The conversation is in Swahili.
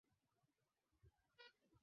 unafahamu kitu gani kuhusu hifadhi ya ruaha